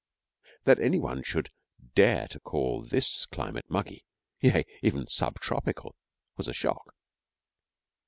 That any one should dare to call this climate muggy, yea, even 'subtropical,' was a shock.